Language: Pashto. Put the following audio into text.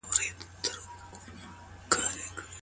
څنګه ځايي بڼوال خالص زعفران اروپا ته لیږدوي؟